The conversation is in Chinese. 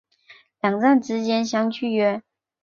两站之间相距约。